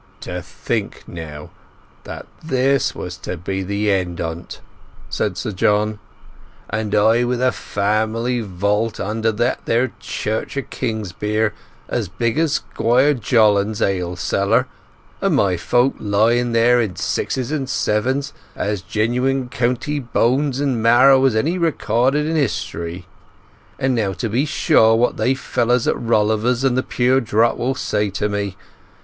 "To think, now, that this was to be the end o't!" said Sir John. "And I with a family vault under that there church of Kingsbere as big as Squire Jollard's ale cellar, and my folk lying there in sixes and sevens, as genuine county bones and marrow as any recorded in history. And now to be sure what they fellers at Rolliver's and The Pure Drop will say to me!